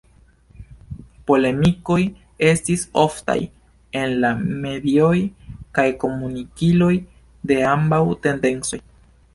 Polemikoj estis oftaj en la medioj kaj komunikiloj de ambaŭ tendencoj.